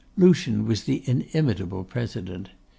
Lucian was the inimitable president.